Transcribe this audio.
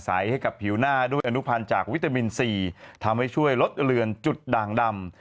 ให้กับผิวหน้าด้วยอนุพันธ์จากวิตามินซีทำให้ช่วยลดเลือนจุดด่างดำ